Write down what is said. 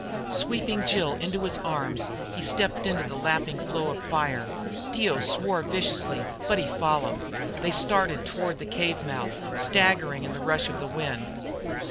Sweeping Jill into his arms, he stepped into the lapping flow of fire. Dio swore viciously, but he followed. They started toward the cave mouth, staggering in the rush of the wind.